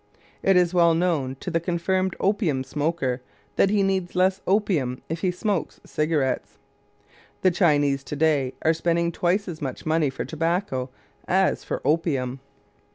It is well known to the confirmed opium smoker that he needs less opium if he smokes cigarettes. _The Chinese to day are spending twice as much money for tobacco as for opium.